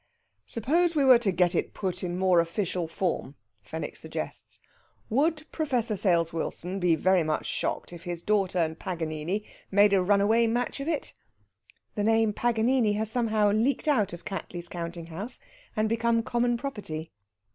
"Suppose we were to get it put in more official form!" Fenwick suggests. "Would Professor Sales Wilson be very much shocked if his daughter and Paganini made a runaway match of it?" The name Paganini has somehow leaked out of Cattley's counting house, and become common property.